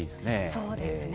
そうですね。